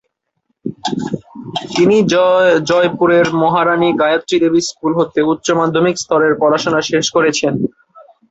তিনি জয়পুরের মহারাণী গায়ত্রী দেবী স্কুল হতে উচ্চমাধ্যমিক স্তরের পড়াশোনা শেষ করেছেন।